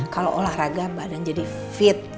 kalau olahraga badan jadi fit